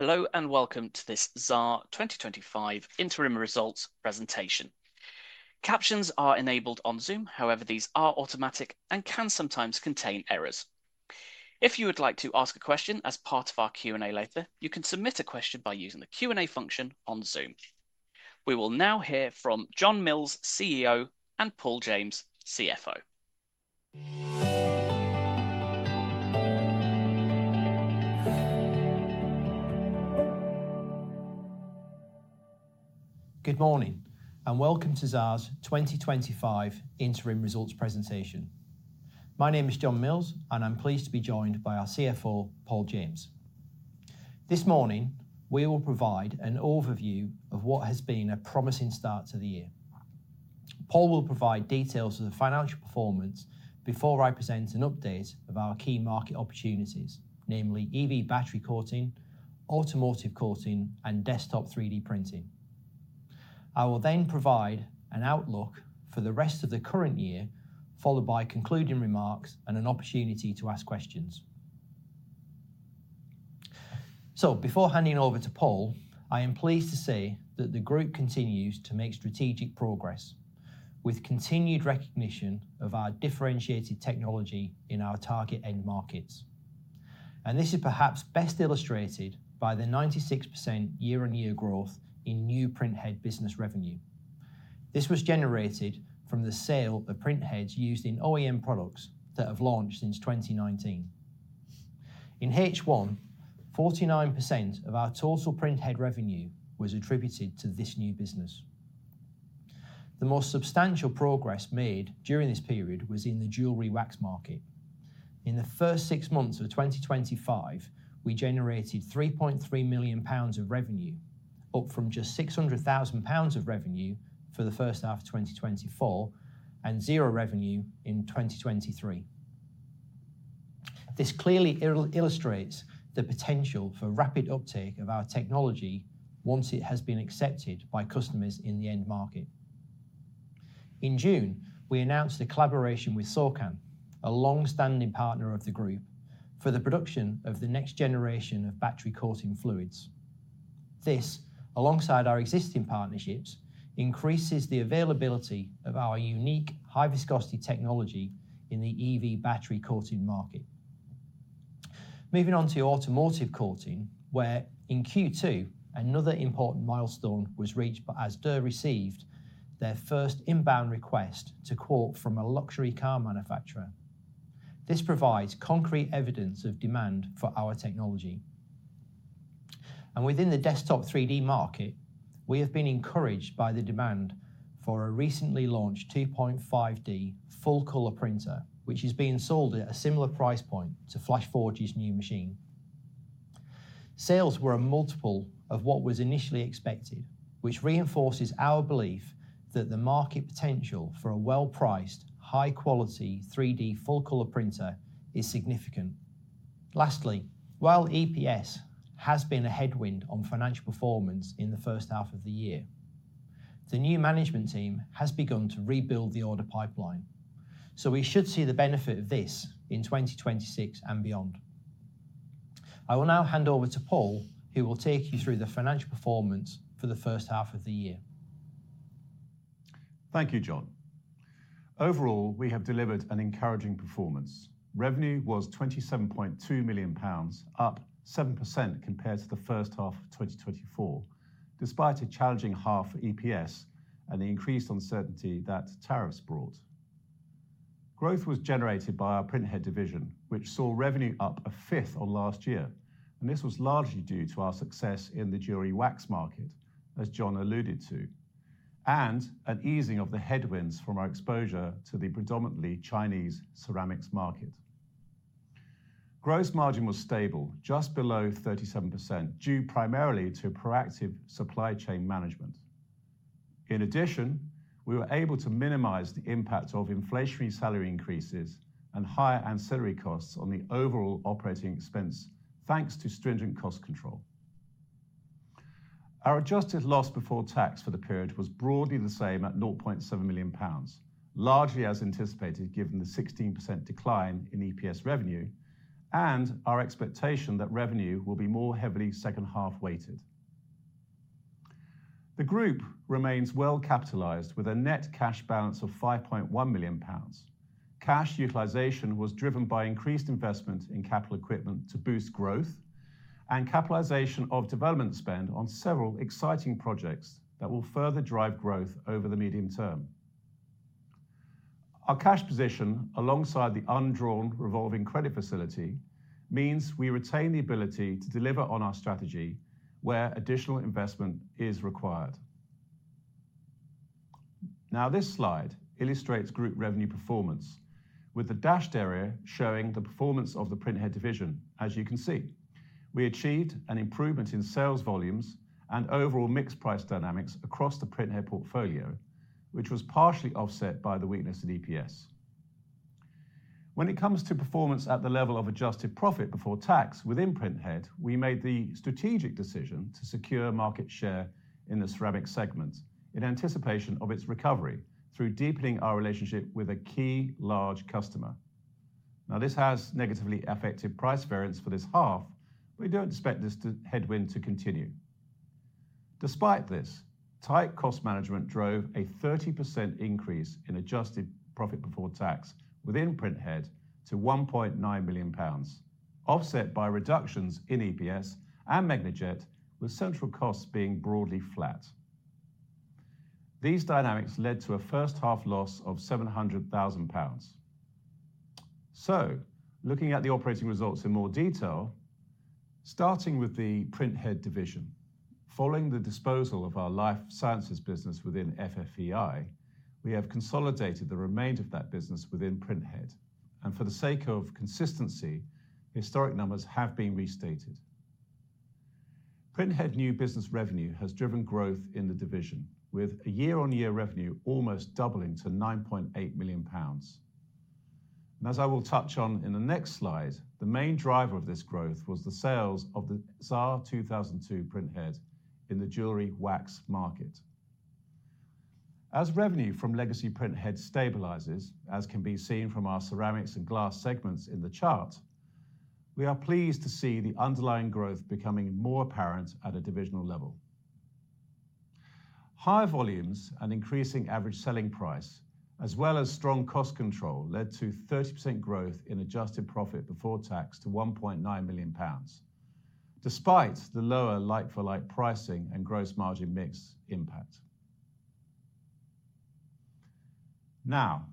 Hello and welcome to this Xaar 2025 Interim Results Presentation. Captions are enabled on Zoom, however, these are automatic and can sometimes contain errors. If you would like to ask a question as part of our Q&A later, you can submit a question by using the Q&A function on Zoom. We will now hear from John Mills, CEO, and Paul James, CFO. Good morning and welcome to Xaar's 2025 Interim Results Presentation. My name is John Mills, and I'm pleased to be joined by our CFO, Paul James. This morning, we will provide an overview of what has been a promising start to the year. Paul will provide details of the financial performance before I present an update of our key market opportunities, namely EV battery coating, automotive coating, and desktop 3D printing. I will then provide an outlook for the rest of the current year, followed by concluding remarks and an opportunity to ask questions. Before handing over to Paul, I am pleased to say that the group continues to make strategic progress with continued recognition of our differentiated technology in our target end markets. This is perhaps best illustrated by the 96% year-on-year growth in new printhead business revenue. This was generated from the sale of printheads used in OEM products that have launched since 2019. In H1, 49% of our total printhead revenue was attributed to this new business. The most substantial progress made during this period was in the jewellery wax market. In the first six months of 2025, we generated 3.3 million pounds of revenue, up from just 600,000 pounds of revenue for the first half of 2024 and zero revenue in 2023. This clearly illustrates the potential for rapid uptake of our technology once it has been accepted by customers in the end market. In June, we announced a collaboration with Sorkam, a long-standing partner of the group, for the production of the next generation of battery coating fluids. This, alongside our existing partnerships, increases the availability of our unique high-viscosity technology in the EV battery coating market. Moving on to automotive coating, in Q2, another important milestone was reached as Durr received their first inbound request to quote from a luxury car manufacturer. This provides concrete evidence of demand for our technology. Within the desktop 3D market, we have been encouraged by the demand for a recently launched 2.5D full color printer, which is being sold at a similar price point to Flashforge's new machine. Sales were a multiple of what was initially expected, which reinforces our belief that the market potential for a well-priced, high-quality 3D full color printer is significant. Lastly, while EPS has been a headwind on financial performance in the first half of the year, the new management team has begun to rebuild the order pipeline, so we should see the benefit of this in 2026 and beyond. I will now hand over to Paul, who will take you through the financial performance for the first half of the year. Thank you, John. Overall, we have delivered an encouraging performance. Revenue was 27.2 million pounds, up 7% compared to the first half of 2024, despite a challenging half for EPS and the increased uncertainty that tariffs brought. Growth was generated by our printhead division, which saw revenue up a fifth on last year, and this was largely due to our success in the Jewellery wax market, as John alluded to, and an easing of the headwinds from our exposure to the predominantly Chinese ceramics market. Gross margin was stable, just below 37%, due primarily to proactive supply chain management. In addition, we were able to minimize the impact of inflationary salary increases and higher ancillary costs on the overall operating expense, thanks to stringent cost control. Our adjusted loss before tax for the period was broadly the same at 0.7 million pounds, largely as anticipated given the 16% decline in EPS revenue and our expectation that revenue will be more heavily second-half weighted. The group remains well-capitalized with a net cash balance of 5.1 million pounds. Cash utilization was driven by increased investment in capital equipment to boost growth and capitalization of development spend on several exciting projects that will further drive growth over the medium term. Our cash position, alongside the undrawn revolving credit facility, means we retain the ability to deliver on our strategy where additional investment is required. Now, this slide illustrates group revenue performance with the dashed area showing the performance of the printhead division. As you can see, we achieved an improvement in sales volumes and overall mixed price dynamics across the printhead portfolio, which was partially offset by the weakness in EPS. When it comes to performance at the level of adjusted profit before tax within printhead, we made the strategic decision to secure market share in the ceramic segment in anticipation of its recovery through deepening our relationship with a key large customer. This has negatively affected price variance for this half, but we don't expect this headwind to continue. Despite this, tight cost management drove a 30% increase in adjusted profit before tax within printhead to 1.9 million pounds, offset by reductions in EPS and MagnaJet, with central costs being broadly flat. These dynamics led to a first-half loss of 700,000 pounds. Looking at the operating results in more detail, starting with the printhead division, following the disposal of our life sciences business within FFEI, we have consolidated the remainder of that business within printhead. For the sake of consistency, historic numbers have been restated. Printhead new business revenue has driven growth in the division, with year-on-year revenue almost doubling to 9.8 million pounds. As I will touch on in the next slide, the main driver of this growth was the sales of the Xaar 2002 printhead in the jewellery wax market. As revenue from legacy printhead stabilizes, as can be seen from our ceramics and glass segments in the chart, we are pleased to see the underlying growth becoming more apparent at a divisional level. High volumes and increasing average selling price, as well as strong cost control, led to 30% growth in adjusted profit before tax to 1.9 million pounds, despite the lower like-for-like pricing and gross margin mix impact. Now,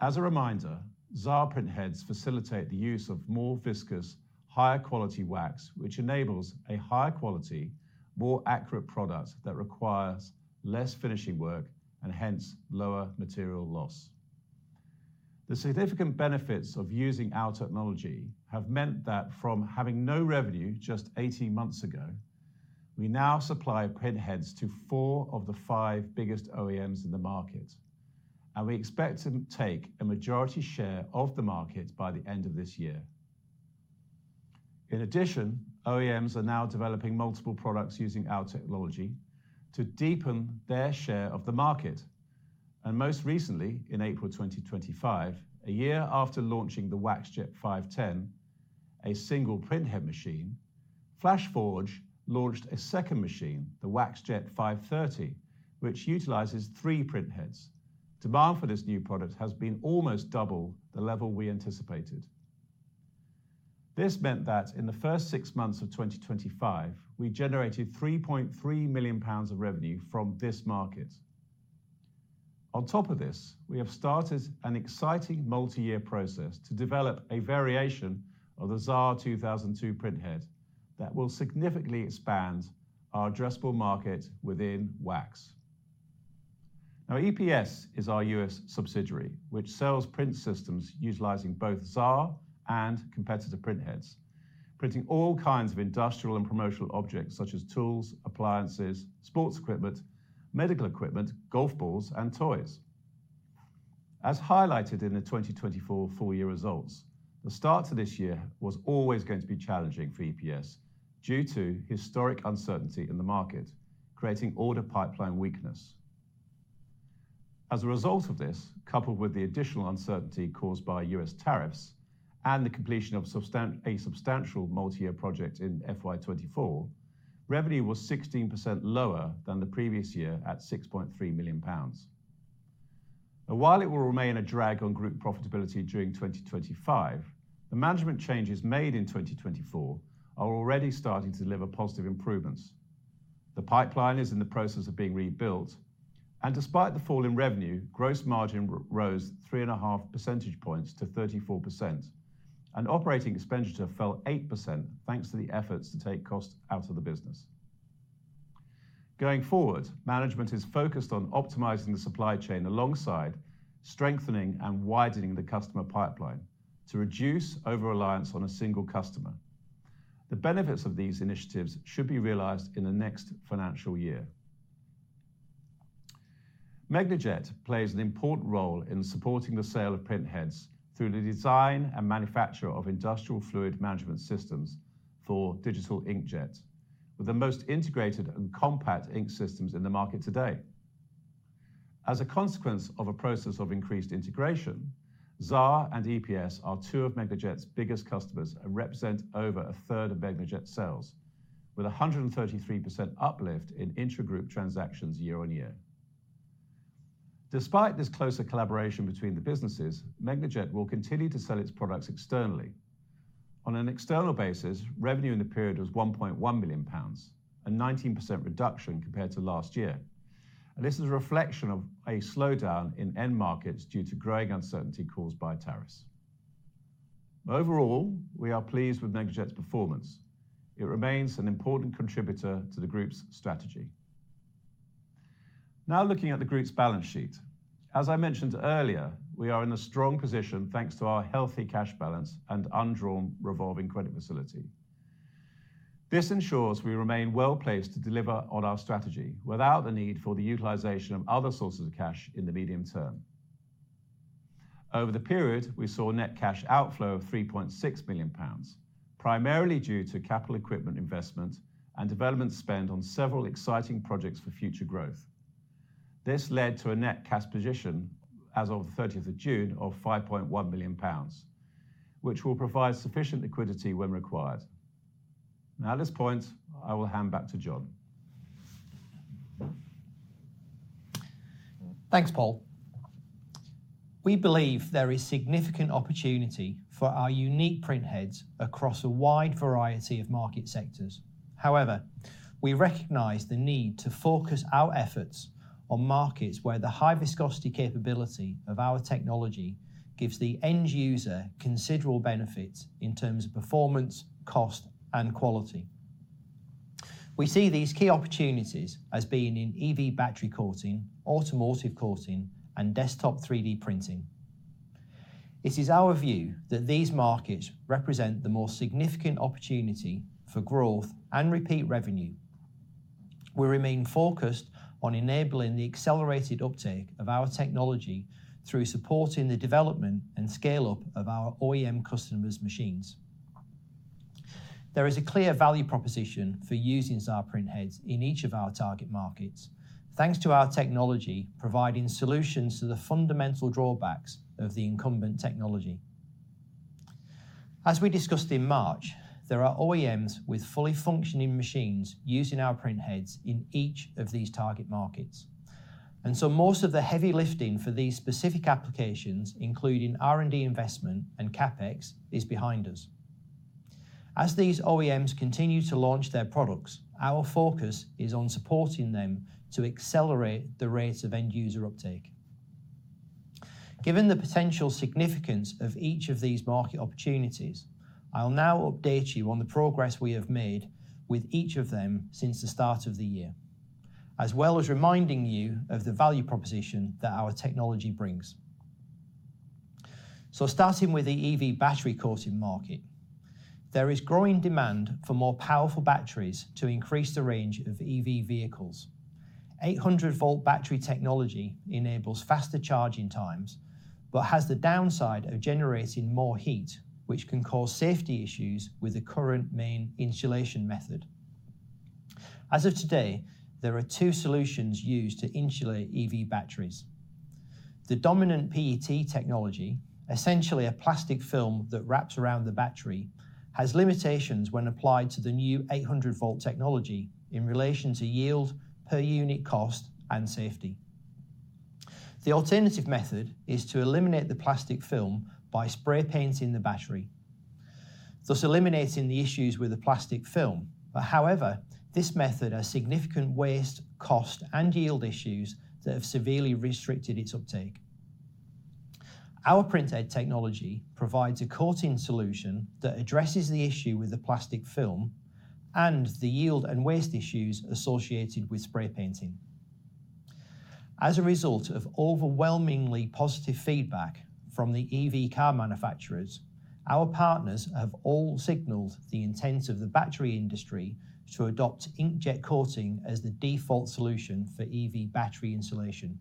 as a reminder, Xaar printheads facilitate the use of more viscous, higher-quality wax, which enables a higher quality, more accurate product that requires less finishing work and hence lower material loss. The significant benefits of using our technology have meant that from having no revenue just 18 months ago, we now supply printheads to four of the five biggest OEMs in the market, and we expect to take a majority share of the market by the end of this year. In addition, OEMs are now developing multiple products using our technology to deepen their share of the market. Most recently, in April 2025, a year after launching the WaxJet 510, a single printhead machine, Flashforge launched a second machine, the WaxJet 530, which utilizes three printheads. Demand for this new product has been almost double the level we anticipated. This meant that in the first six months of 2025, we generated 3.3 million pounds of revenue from this market. On top of this, we have started an exciting multi-year process to develop a variation of the Xaar 2002 printhead that will significantly expand our addressable market within wax. EPS is our U.S. subsidiary, which sells print systems utilizing both Xaar and competitor printheads, printing all kinds of industrial and promotional objects such as tools, appliances, sports equipment, medical equipment, golf balls, and toys. As highlighted in the 2024 full-year results, the start to this year was always going to be challenging for EPS due to historic uncertainty in the market, creating order pipeline weakness. As a result of this, coupled with the additional uncertainty caused by U.S. tariffs and the completion of a substantial multi-year project in FY2024, revenue was 16% lower than the previous year at 6.3 million pounds. While it will remain a drag on group profitability during 2025, the management changes made in 2024 are already starting to deliver positive improvements. The pipeline is in the process of being rebuilt, and despite the fall in revenue, gross margin rose 3.5%-34%, and operating expenditure fell 8% thanks to the efforts to take costs out of the business. Going forward, management is focused on optimizing the supply chain alongside strengthening and widening the customer pipeline to reduce over-reliance on a single customer. The benefits of these initiatives should be realized in the next financial year. MagnaJet plays an important role in supporting the sale of printheads through the design and manufacture of industrial fluid management systems for digital inkjets, with the most integrated and compact ink systems in the market today. As a consequence of a process of increased integration, Xaar and EPS are two of MagnaJet's biggest customers and represent over a third of MagnaJet's sales, with a 133% uplift in intra-group transactions year on year. Despite this closer collaboration between the businesses, MagnaJet will continue to sell its products externally. On an external basis, revenue in the period was 1.1 million pounds, a 19% reduction compared to last year. This is a reflection of a slowdown in end markets due to growing uncertainty caused by tariffs. Overall, we are pleased with MagnaJet's performance. It remains an important contributor to the group's strategy. Now looking at the group's balance sheet, as I mentioned earlier, we are in a strong position thanks to our healthy cash balance and undrawn revolving credit facility. This ensures we remain well-placed to deliver on our strategy without the need for the utilization of other sources of cash in the medium term. Over the period, we saw net cash outflow of 3.6 million pounds, primarily due to capital equipment investment and development spend on several exciting projects for future growth. This led to a net cash position as of June 30th, 2023, of 5.1 million pounds, which will provide sufficient liquidity when required. Now, at this point, I will hand back to John. Thanks, Paul. We believe there is significant opportunity for our unique printheads across a wide variety of market sectors. However, we recognize the need to focus our efforts on markets where the high-viscosity capability of our technology gives the end user considerable benefits in terms of performance, cost, and quality. We see these key opportunities as being in EV battery coating, automotive coating, and desktop 3D printing. It is our view that these markets represent the most significant opportunity for growth and repeat revenue. We remain focused on enabling the accelerated uptake of our technology through supporting the development and scale-up of our OEM customers' machines. There is a clear value proposition for using Xaar printheads in each of our target markets, thanks to our technology providing solutions to the fundamental drawbacks of the incumbent technology. As we discussed in March, there are OEMs with fully functioning machines using our printheads in each of these target markets. Most of the heavy lifting for these specific applications, including R&D investment and CapEx, is behind us. As these OEMs continue to launch their products, our focus is on supporting them to accelerate the rates of end user uptake. Given the potential significance of each of these market opportunities, I'll now update you on the progress we have made with each of them since the start of the year, as well as reminding you of the value proposition that our technology brings. Starting with the EV battery coating market, there is growing demand for more powerful batteries to increase the range of EV vehicles. 800V battery technology enables faster charging times, but has the downside of generating more heat, which can cause safety issues with the current main insulation method. As of today, there are two solutions used to insulate EV batteries. The dominant PET technology, essentially a plastic film that wraps around the battery, has limitations when applied to the new 800V technology in relation to yield per unit cost and safety. The alternative method is to eliminate the plastic film by spray painting the battery, thus eliminating the issues with the plastic film. However, this method has significant waste, cost, and yield issues that have severely restricted its uptake. Our printhead technology provides a coating solution that addresses the issue with the plastic film and the yield and waste issues associated with spray painting. As a result of overwhelmingly positive feedback from the EV car manufacturers, our partners have all signaled the intent of the battery industry to adopt inkjet coating as the default solution for EV battery insulation.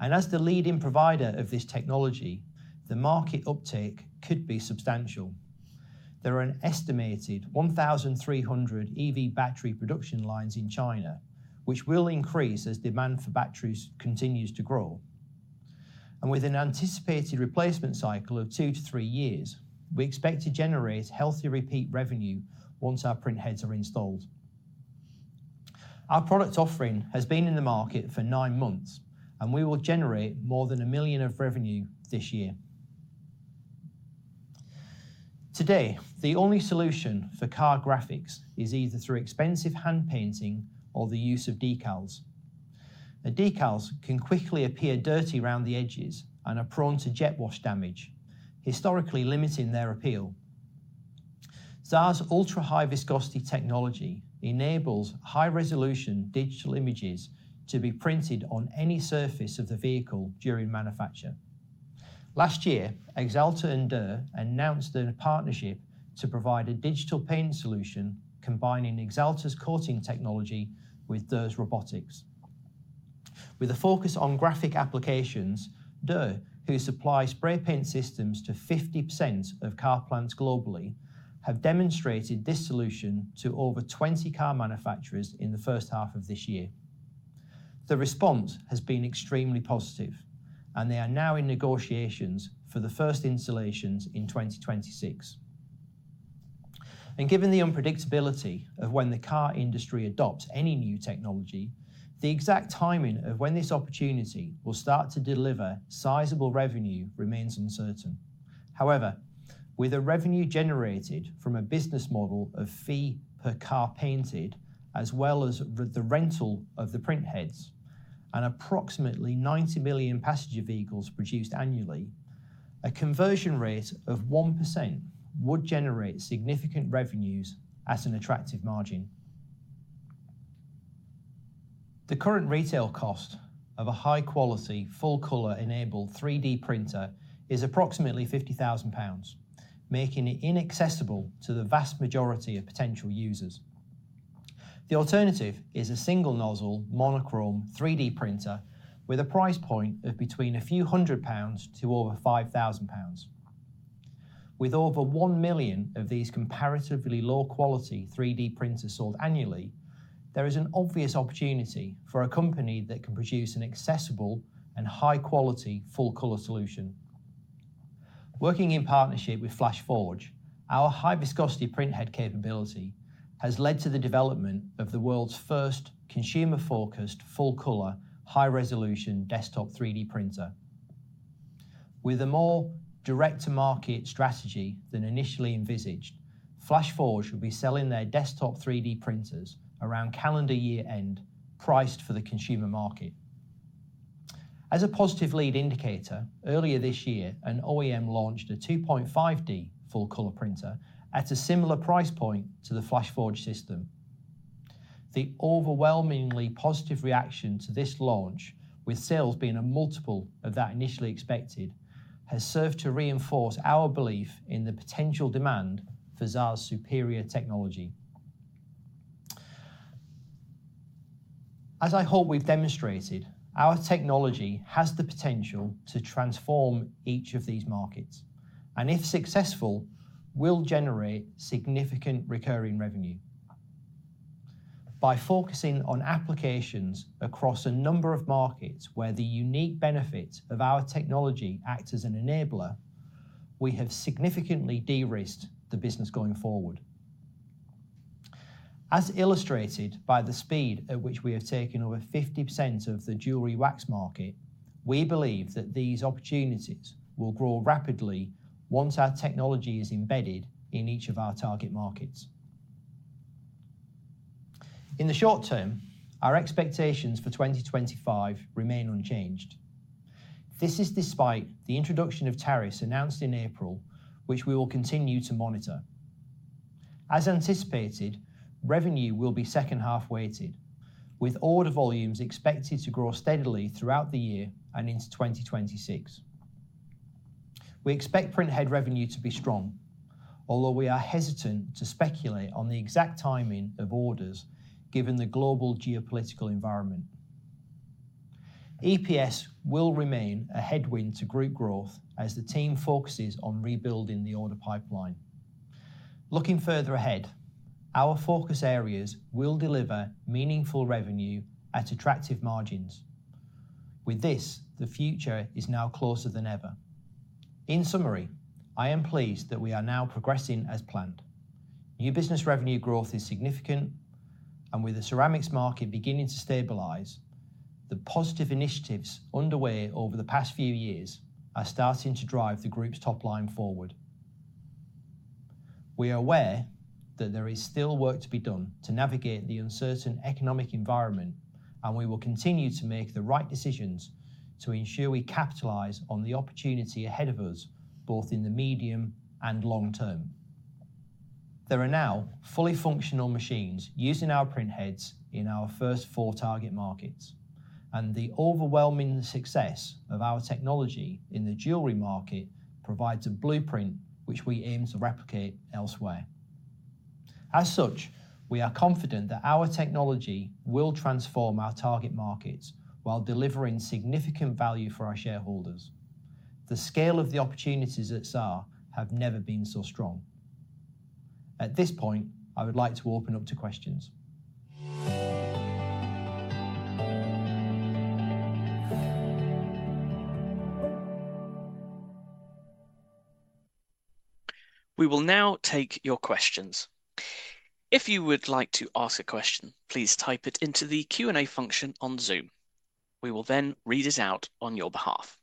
As the leading provider of this technology, the market uptake could be substantial. There are an estimated 1,300 EV battery production lines in China, which will increase as demand for batteries continues to grow. With an anticipated replacement cycle of two to three years, we expect to generate healthy repeat revenue once our printheads are installed. Our product offering has been in the market for nine months, and we will generate more than 1 million of revenue this year. Today, the only solution for car graphics is either through expensive hand painting or the use of decals. The decals can quickly appear dirty around the edges and are prone to jet wash damage, historically limiting their appeal. Xaar's ultra-high viscosity technology enables high-resolution digital images to be printed on any surface of the vehicle during manufacture. Last year, Axalta and Durr announced a partnership to provide a digital paint solution combining Axalta's coating technology with Durr's robotics. With a focus on graphic applications, Durr, who supplies spray paint systems to 50% of car plants globally, have demonstrated this solution to over 20 car manufacturers in the first half of this year. The response has been extremely positive, and they are now in negotiations for the first installations in 2026. Given the unpredictability of when the car industry adopts any new technology, the exact timing of when this opportunity will start to deliver sizable revenue remains uncertain. However, with revenue generated from a business model of fee per car painted, as well as the rental of the printheads, and approximately 90 million passenger vehicles produced annually, a conversion rate of 1% would generate significant revenues at an attractive margin. The current retail cost of a high-quality, full-color enabled 3D printer is approximately 50,000 pounds, making it inaccessible to the vast majority of potential users. The alternative is a single nozzle monochrome 3D printer with a price point of between 300 pounds to over 5,000 pounds. With over 1 million of these comparatively low-quality 3D printers sold annually, there is an obvious opportunity for a company that can produce an accessible and high-quality full-color solution. Working in partnership with Flashforge, our high-viscosity printhead capability has led to the development of the world's first consumer-focused, full-color, high-resolution desktop 3D printer. With a more direct-to-market strategy than initially envisaged, Flashforge will be selling their desktop 3D printers around calendar year end, priced for the consumer market. As a positive lead indicator, earlier this year, an OEM launched a 2.5D full color printer at a similar price point to the Flashforge system. The overwhelmingly positive reaction to this launch, with sales being a multiple of that initially expected, has served to reinforce our belief in the potential demand for Xaar's superior technology. As I hope we've demonstrated, our technology has the potential to transform each of these markets, and if successful, will generate significant recurring revenue. By focusing on applications across a number of markets where the unique benefits of our technology act as an enabler, we have significantly de-risked the business going forward. As illustrated by the speed at which we have taken over 50% of the jewellery wax market, we believe that these opportunities will grow rapidly once our technology is embedded in each of our target markets. In the short term, our expectations for 2025 remain unchanged. This is despite the introduction of tariffs announced in April, which we will continue to monitor. As anticipated, revenue will be second-half weighted, with order volumes expected to grow steadily throughout the year and into 2026. We expect printhead revenue to be strong, although we are hesitant to speculate on the exact timing of orders given the global geopolitical environment. EPS will remain a headwind to group growth as the team focuses on rebuilding the order pipeline. Looking further ahead, our focus areas will deliver meaningful revenue at attractive margins. With this, the future is now closer than ever. In summary, I am pleased that we are now progressing as planned. New business revenue growth is significant, and with the ceramics market beginning to stabilize, the positive initiatives underway over the past few years are starting to drive the group's top line forward. We are aware that there is still work to be done to navigate the uncertain economic environment, and we will continue to make the right decisions to ensure we capitalize on the opportunity ahead of us, both in the medium and long term. There are now fully functional machines using our printheads in our first four target markets, and the overwhelming success of our technology in the jewellery market provides a blueprint which we aim to replicate elsewhere. As such, we are confident that our technology will transform our target markets while delivering significant value for our shareholders. The scale of the opportunities at Xaar has never been so strong. At this point, I would like to open up to questions. We will now take your questions. If you would like to ask a question, please type it into the Q&A function on Zoom. We will then read it out on your behalf.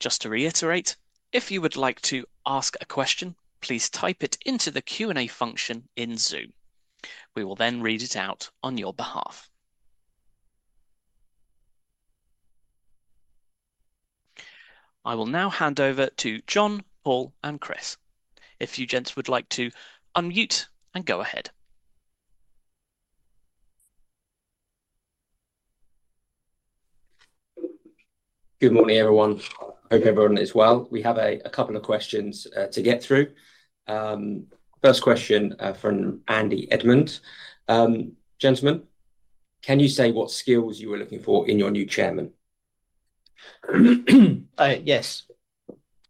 Just to reiterate, if you would like to ask a question, please type it into the Q&A function in Zoom. We will then read it out on your behalf. I will now hand over to John, Paul, and Chris. If you gents would like to unmute and go ahead. Good morning, everyone. Hope everyone is well. We have a couple of questions to get through. First question from Andy Edmond. Gentlemen, can you say what skills you were looking for in your new Chairman? Yes.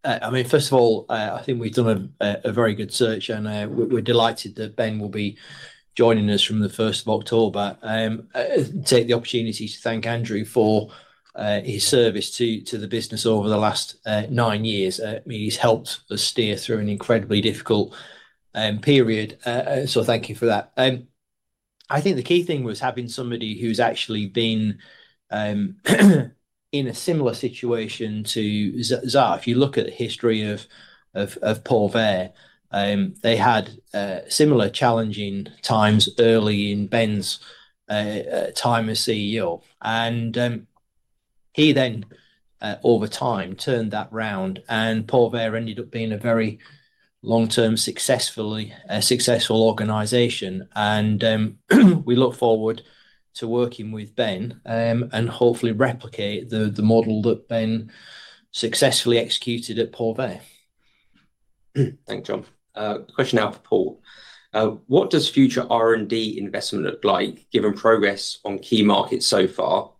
First of all, I think we've done a very good search, and we're delighted that Ben will be joining us from the 1st of October. I take the opportunity to thank Andrew for his service to the business over the last nine years. He's helped us steer through an incredibly difficult period, so thank you for that. The key thing was having somebody who's actually been in a similar situation to Xaar. If you look at the history of Paul Vere, they had similar challenging times early in Ben's time as CEO, and he then, over time, turned that round, and Paul Vere ended up being a very long-term successful organization. We look forward to working with Ben and hopefully replicate the model that Ben successfully executed at Paul Vere. Thanks, John. Question now for Paul. What does future R&D investment look like, given progress on key markets so far?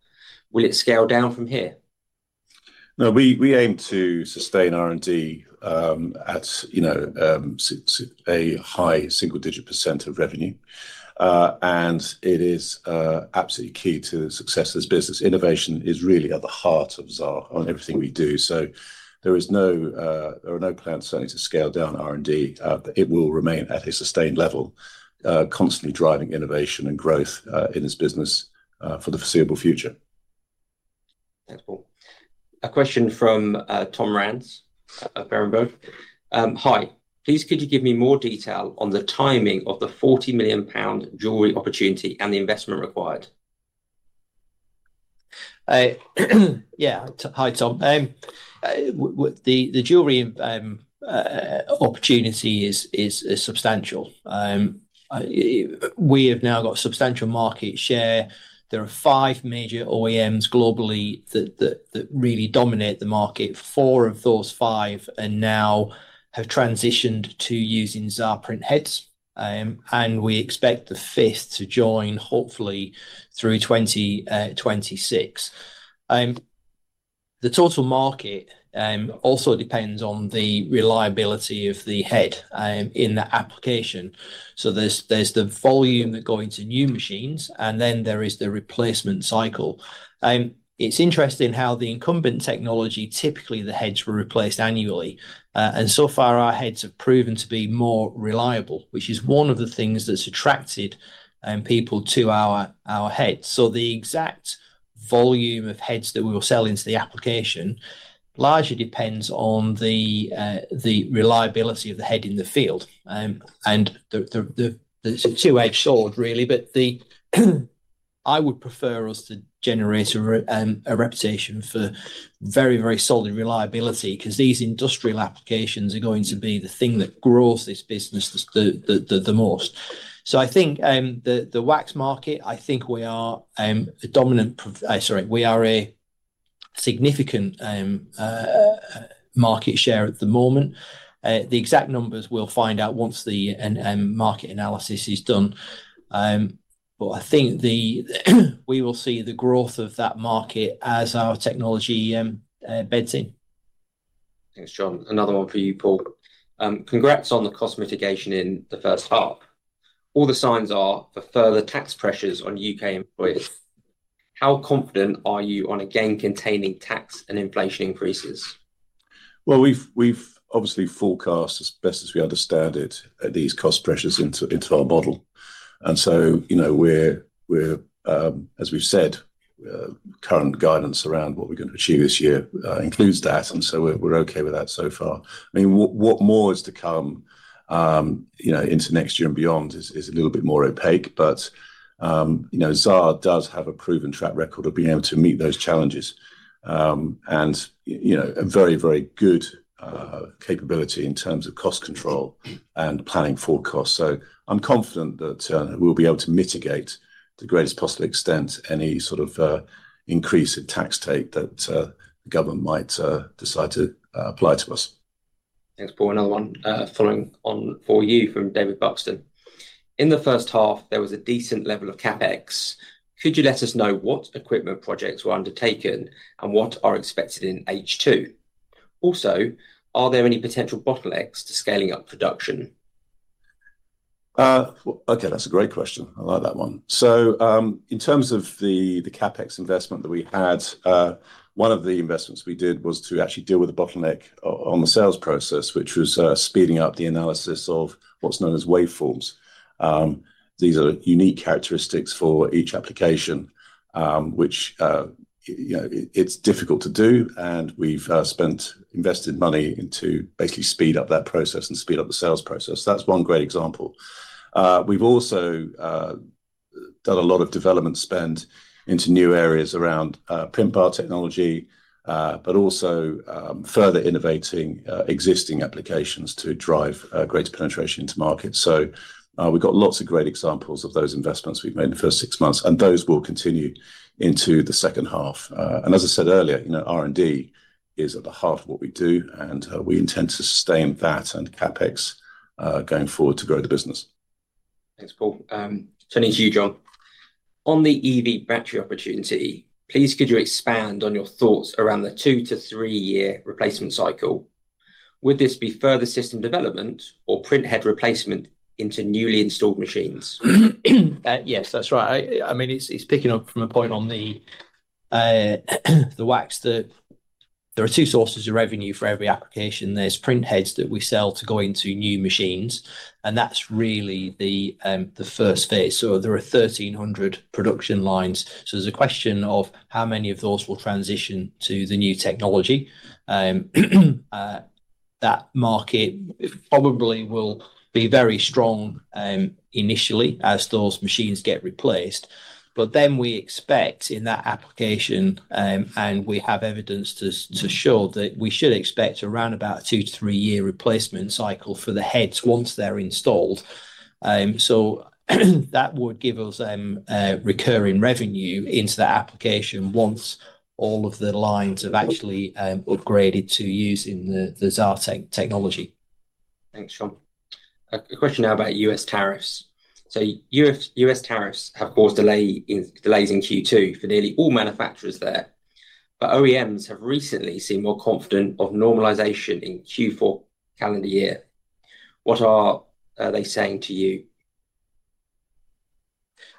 Will it scale down from here? We aim to sustain R&D at a high single-digit percent of revenue, and it is absolutely key to the success of this business. Innovation is really at the heart of Xaar on everything we do, so there are no plans certainly to scale down R&D. It will remain at a sustained level, constantly driving innovation and growth in this business for the foreseeable future. Thanks, Paul. A question from Tom Rance of Barenburg. Hi. Please, could you give me more detail on the timing of the 40 million pound jewellery opportunity and the investment required? Yeah. Hi, Tom. The jewellery opportunity is substantial. We have now got substantial market share. There are five major OEMs globally that really dominate the market. Four of those five now have transitioned to using Xaar printheads, and we expect the fifth to join, hopefully, through 2026. The total market also depends on the reliability of the head in the application. There's the volume that go into new machines, and then there is the replacement cycle. It's interesting how the incumbent technology, typically the heads were replaced annually, and so far our heads have proven to be more reliable, which is one of the things that's attracted people to our heads. The exact volume of heads that we will sell into the application largely depends on the reliability of the head in the field. It's a two-edged sword, really, but I would prefer us to generate a reputation for very, very solid reliability because these industrial applications are going to be the thing that grows this business the most. I think the wax market, I think we are a significant market share at the moment. The exact numbers we'll find out once the market analysis is done, but I think we will see the growth of that market as our technology embeds in. Thanks, John. Another one for you, Paul. Congrats on the cost mitigation in the first half. All the signs are for further tax pressures on U.K. employees. How confident are you on again containing tax and inflation increases? We've obviously forecast, as best as we understand it, these cost pressures into our model. As we've said, current guidance around what we're going to achieve this year includes that, and we're okay with that so far. What more is to come into next year and beyond is a little bit more opaque, but Xaar does have a proven track record of being able to meet those challenges and a very, very good capability in terms of cost control and planning for costs. I'm confident that we'll be able to mitigate to the greatest possible extent any sort of increase in tax take that government might decide to apply to us. Thanks, Paul. Another one following on for you from David Buxton. In the first half, there was a decent level of CapEx. Could you let us know what equipment projects were undertaken and what are expected in H2? Also, are there any potential bottlenecks to scaling up production? Okay, that's a great question. I like that one. In terms of the CapEx investment that we had, one of the investments we did was to actually deal with the bottleneck on the sales process, which was speeding up the analysis of what's known as waveforms. These are unique characteristics for each application, which it's difficult to do, and we've invested money to basically speed up that process and speed up the sales process. That's one great example. We've also done a lot of development spend into new areas around printhead technology, but also further innovating existing applications to drive greater penetration into markets. We've got lots of great examples of those investments we've made in the first six months, and those will continue into the second half. As I said earlier, you know, R&D is at the heart of what we do, and we intend to sustain that and CapEx going forward to grow the business. Thanks, Paul. Turning to you, John. On the EV battery opportunity, please could you expand on your thoughts around the 2-3 year replacement cycle? Would this be further system development or printhead replacement into newly installed machines? Yes, that's right. I mean, it's picking up from a point on the wax that there are two sources of revenue for every application. There's printheads that we sell to go into new machines, and that's really the first phase. There are 1,300 production lines. There's a question of how many of those will transition to the new technology. That market probably will be very strong initially as those machines get replaced. We expect in that application, and we have evidence to show that we should expect around about a two to three-year replacement cycle for the heads once they're installed. That would give us recurring revenue into that application once all of the lines have actually upgraded to using the Xaar technology. Thanks, John. A question now about U.S. tariffs. U.S. tariffs have caused delays in Q2 for nearly all manufacturers there, but OEMs have recently seen more confidence of normalisation in Q4 calendar year. What are they saying to you?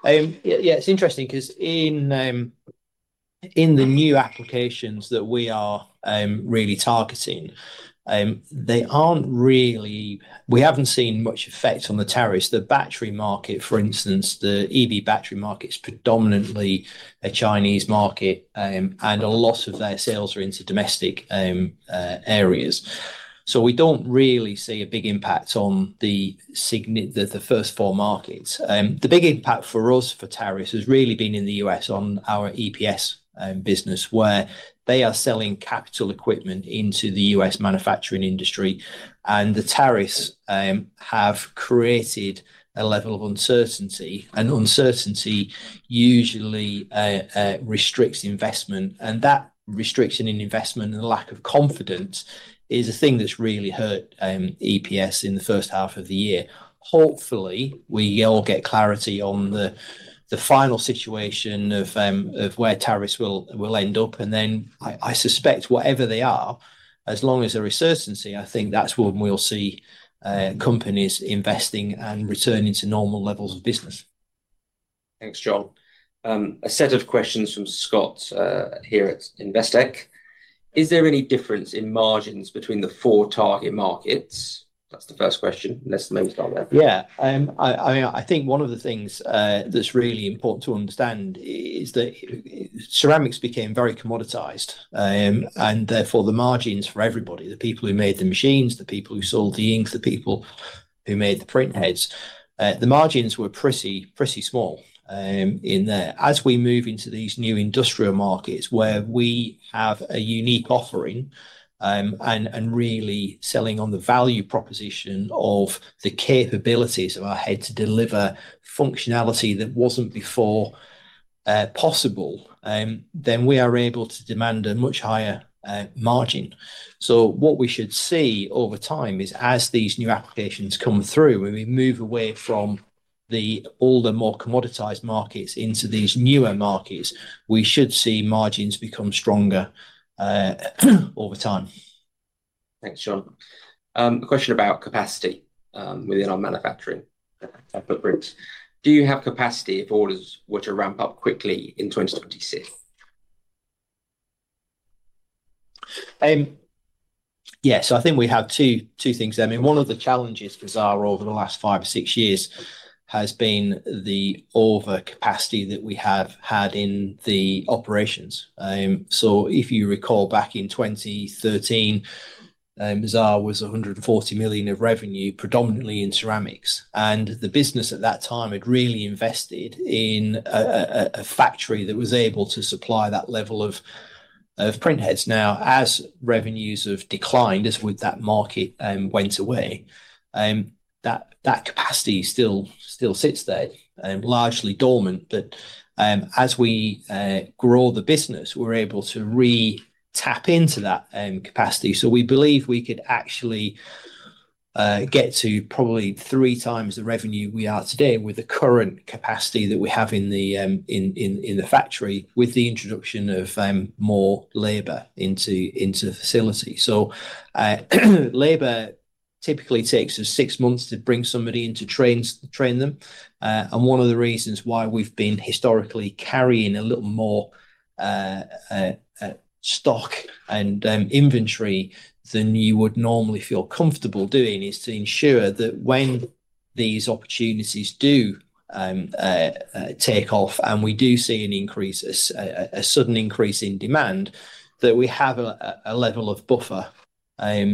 Yeah, it's interesting because in the new applications that we are really targeting, we haven't seen much effect on the tariffs. The battery market, for instance, the EV battery market is predominantly a Chinese market, and a lot of their sales are into domestic areas. We don't really see a big impact on the first four markets. The big impact for us for tariffs has really been in the U.S. on our EPS business, where they are selling capital equipment into the U.S. manufacturing industry, and the tariffs have created a level of uncertainty. Uncertainty usually restricts investment, and that restriction in investment and lack of confidence is a thing that's really hurt EPS in the first half of the year. Hopefully, we all get clarity on the final situation of where tariffs will end up, and then I suspect whatever they are, as long as there is certainty, I think that's when we'll see companies investing and returning to normal levels of business. Thanks, John. A set of questions from Scott here at Investech. Is there any difference in margins between the four target markets? That's the first question. Let's maybe start there. Yeah, I mean, I think one of the things that's really important to understand is that ceramics became very commoditized, and therefore the margins for everybody, the people who made the machines, the people who sold the ink, the people who made the printheads, the margins were pretty, pretty small in there. As we move into these new industrial markets where we have a unique offering and really selling on the value proposition of the capabilities of our head to deliver functionality that wasn't before possible, we are able to demand a much higher margin. What we should see over time is as these new applications come through, when we move away from the older, more commoditized markets into these newer markets, we should see margins become stronger over time. Thanks, John. A question about capacity within our manufacturing and for printheads. Do you have capacity if all is to ramp up quickly in 2026? Yeah, so I think we have two things there. One of the challenges for Xaar over the last five or six years has been the overcapacity that we have had in the operations. If you recall back in 2013, Xaar was 140 million of revenue predominantly in ceramics, and the business at that time had really invested in a factory that was able to supply that level of printheads. Now, as revenues have declined, as that market went away, that capacity still sits there, largely dormant. As we grow the business, we're able to re-tap into that capacity. We believe we could actually get to probably three times the revenue we are today with the current capacity that we have in the factory with the introduction of more labor into the facility. Labor typically takes us six months to bring somebody in to train them. One of the reasons why we've been historically carrying a little more stock and inventory than you would normally feel comfortable doing is to ensure that when these opportunities do take off and we do see a sudden increase in demand, we have a level of buffer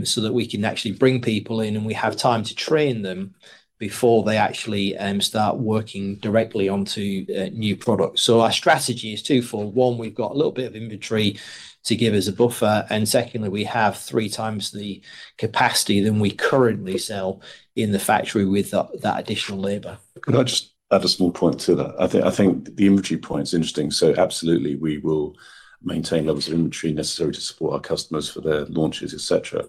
so that we can actually bring people in and we have time to train them before they actually start working directly onto new products. Our strategy is twofold. One, we've got a little bit of inventory to give us a buffer, and secondly, we have three times the capacity than we currently sell in the factory with that additional labor. Could I just add a small point to that? I think the inventory point is interesting. Absolutely, we will maintain levels of inventory necessary to support our customers for their launches, etc.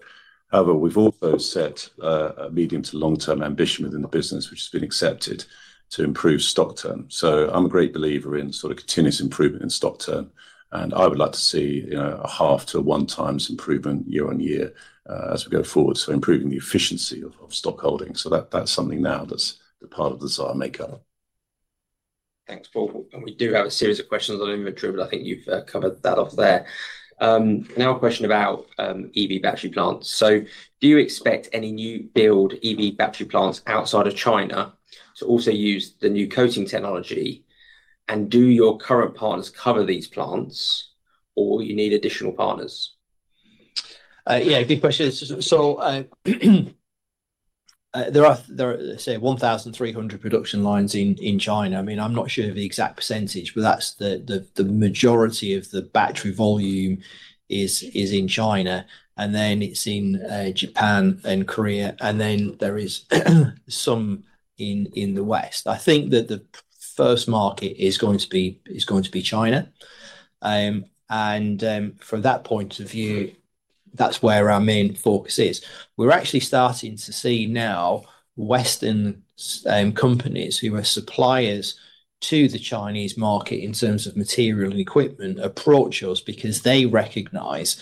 However, we've also set a medium to long-term ambition within the business, which has been accepted, to improve stock turn. I'm a great believer in continuous improvement in stock turn, and I would like to see a half to one times improvement year on year as we go forward, improving the efficiency of stockholding. That's something now that's part of the Xaar makeup. Thanks, Paul. We do have a series of questions on inventory, but I think you've covered that off there. A question about EV battery plants: Do you expect any new build EV battery plants outside of China to also use the new coating technology? Do your current partners cover these plants or do you need additional partners? Yeah, good question. There are, say, 1,300 production lines in China. I'm not sure of the exact percentage, but that's the majority of the battery volume is in China, and then it's in Japan and Korea, and then there is some in the West. I think that the first market is going to be China. From that point of view, that's where our main focus is. We're actually starting to see now Western companies who are suppliers to the Chinese market in terms of material and equipment approach us because they recognize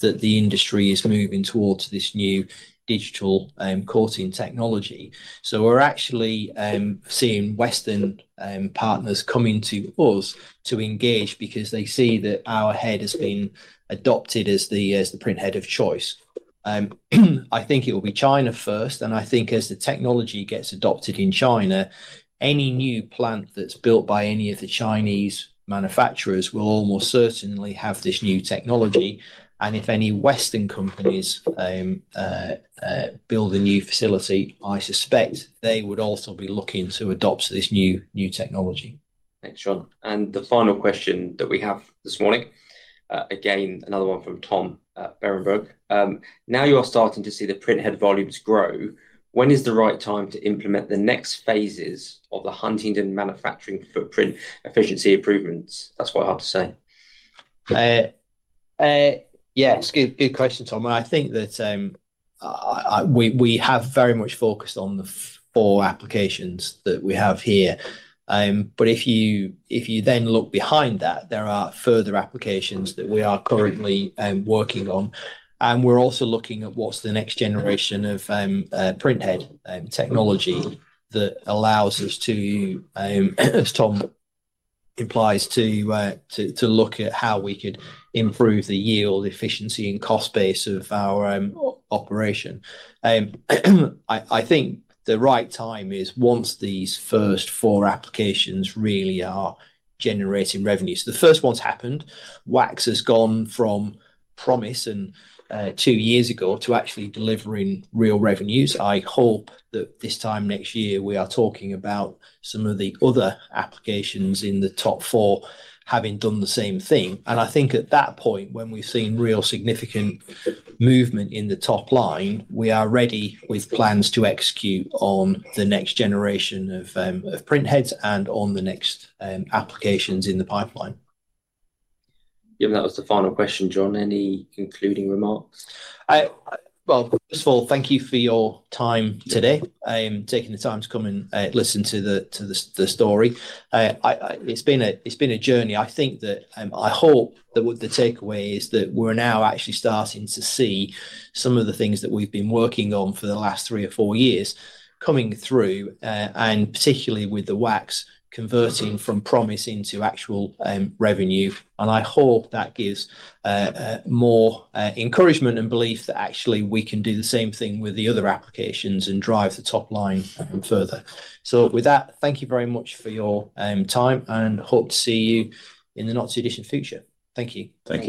that the industry is moving towards this new digital coating technology. We're actually seeing Western partners coming to us to engage because they see that our head has been adopted as the printhead of choice. I think it will be China first, and I think as the technology gets adopted in China, any new plant that's built by any of the Chinese manufacturers will almost certainly have this new technology. If any Western companies build a new facility, I suspect they would also be looking to adopt this new technology. Thanks, John. The final question that we have this morning, again, another one from Tom at Barenburg. Now you are starting to see the printhead volumes grow. When is the right time to implement the next phases of the hunting and manufacturing footprint efficiency improvements? That's quite hard to say. Yeah, it's a good question, Tom. I think that we have very much focused on the four applications that we have here. If you then look behind that, there are further applications that we are currently working on. We're also looking at what's the next generation of printhead technology that allows us to, as Tom implies, look at how we could improve the yield, efficiency, and cost base of our operation. I think the right time is once these first four applications really are generating revenues. The first ones happened. Wax has gone from promise and two years ago to actually delivering real revenues. I hope that this time next year we are talking about some of the other applications in the top four having done the same thing. I think at that point, when we've seen real significant movement in the top line, we are ready with plans to execute on the next generation of printheads and on the next applications in the pipeline. Yeah, that was the final question, John. Any concluding remarks? Thank you for your time today and taking the time to come and listen to the story. It's been a journey. I think that I hope that the takeaway is that we're now actually starting to see some of the things that we've been working on for the last three or four years coming through, and particularly with the wax converting from promise into actual revenue. I hope that gives more encouragement and belief that actually we can do the same thing with the other applications and drive the top line further. Thank you very much for your time and hope to see you in the not-too-distant future. Thank you. Thank you.